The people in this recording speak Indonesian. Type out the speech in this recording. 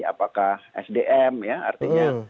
apakah sdm ya artinya